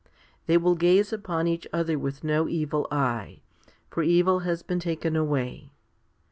They will gaze upon each other with no evil eye ; for evil has been taken away.